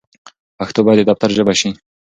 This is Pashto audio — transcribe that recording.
پښتو بايد د دفتر ژبه شي.